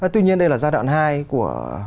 tuy nhiên đây là giai đoạn hai của